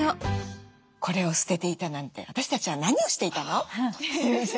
これを捨てていたなんて私たちは何をしていたの？